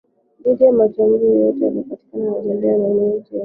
dhidi ya Mmatumbi yeyote anaepatikana anatembea na aina yoyote ya mti